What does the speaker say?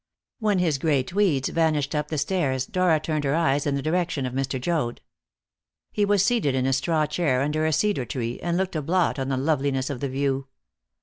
When his gray tweeds vanished up the stairs, Dora turned her eyes in the direction of Mr. Joad. He was seated in a straw chair under a cedar tree, and looked a blot on the loveliness of the view.